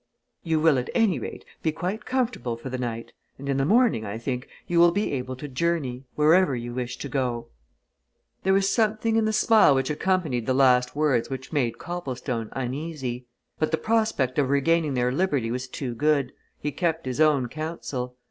"You will, at any rate, be quite comfortable for the night, and in the morning, I think, you will be able to journey wherever you wish to go to." There was something in the smile which accompanied the last words which made Copplestone uneasy. But the prospect of regaining their liberty was too good he kept his own counsel.